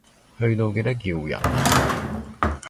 去到記得叫人呀